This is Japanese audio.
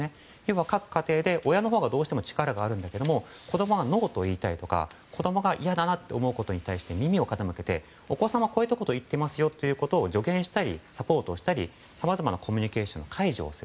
各家庭で親のほうがどうしても力があるけど子供はノーと言いたいとか子供が嫌だなと思うことに対して耳を傾けてお子さんはこういうことを言っていますと助言したりサポートしたりさまざまなコミュニケーションを介助する。